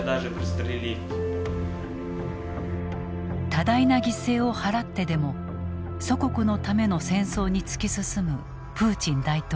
多大な犠牲を払ってでも祖国のための戦争に突き進むプーチン大統領。